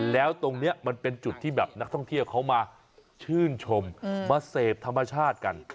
แล้วตรงนี้มันเป็นจุดที่แบบนักท่องเที่ยวเขามาชื่นชมมาเสพธรรมชาติกัน